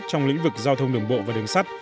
trong lĩnh vực giao thông đường bộ và đường sắt